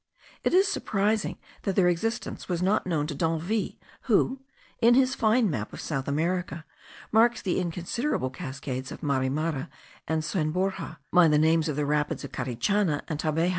It is surprising that their existence was not known to D'Anville, who, in his fine map of South America, marks the inconsiderable cascades of Marimara and San Borja, by the names of the rapids of Carichana and Tabaje.